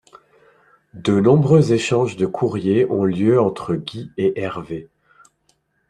De nombreux échanges de courriers ont lieu entre Gui et Hervé.